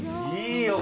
いいよ